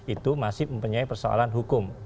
itu masih mempunyai persoalan hukum